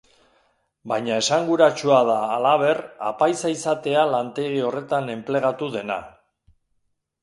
Baina esanguratsua da halaber apaiza izatea lantegi horretan enplegatu dena.